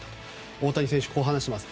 大谷選手はこう話しています。